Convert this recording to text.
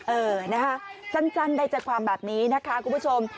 เออนะฮะจันทรรพ์ใดจากความแบบนี้นะครับคุณผู้ชม